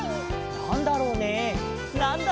なんだろうね？